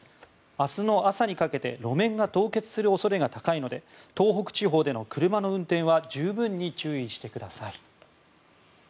明日の朝にかけて路面が凍結する恐れが高いので東北地方での車の運転は十分に注意してください。